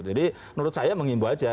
jadi menurut saya mengimba aja